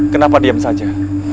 kenapa diam saja